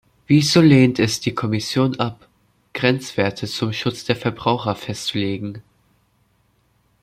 Wieso lehnt es die Kommission ab, Grenzwerte zum Schutz der Verbraucher festzulegen?